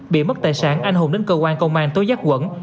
bị mất tài sản anh hùng đến cơ quan công an tối giác quẩn